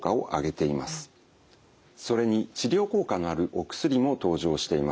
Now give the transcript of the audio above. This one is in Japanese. それに治療効果のあるお薬も登場しています。